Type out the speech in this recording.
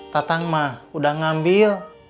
tatang mah udah ngambil